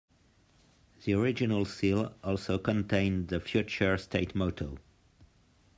The original seal also contained the future state motto.